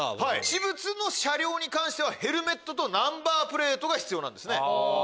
私物の車両に関してはヘルメットとナンバープレートが必要なんですね。